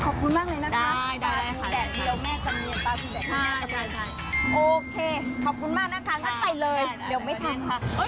พี่แดดเดี๋ยวแม่จำเนียน